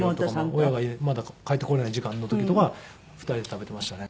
親がまだ帰ってこれない時間の時とかは２人で食べていましたね。